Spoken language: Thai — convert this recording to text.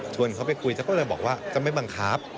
ชวนเขาไปคุยเขาก็เลยบอกว่าก็ไม่บังคับ